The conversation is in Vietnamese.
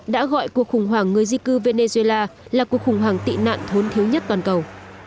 đã gọi cuộc khủng hoảng người di cư venezuela là cuộc khủng hoảng tị nạn thốn thiếu nhất toàn cầu